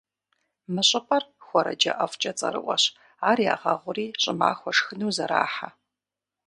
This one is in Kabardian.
Мы щӏыпӏэр хуэрэджэ ӏэфӏкӏэ цӏэрыӏуэщ, ар ягъэгъури, щӏымахуэ шхыну зэрахьэ.